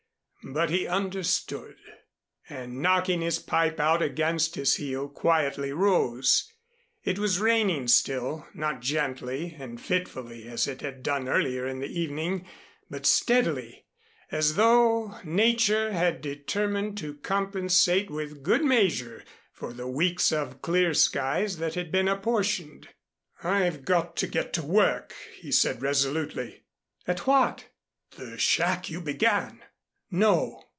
But he understood. And knocking his pipe out against his heel, quietly rose. It was raining still, not gently and fitfully, as it had done earlier in the evening, but steadily, as though nature had determined to compensate with good measure for the weeks of clear skies that had been apportioned. "I've got to get to work," he said resolutely. "At what?" "The shack you began " "No."